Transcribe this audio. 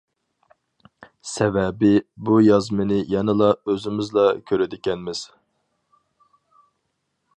سەۋەبى : بۇ يازمىنى يەنىلا ئۆزىمىزلا كۆرىدىكەنمىز!